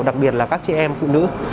đặc biệt là các chị em phụ nữ